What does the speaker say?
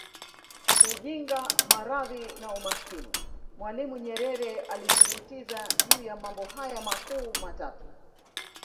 Ujinga maradhi na Umaskini Mwalimu Nyerere alisisitiza juu ya mambo haya makuu matatu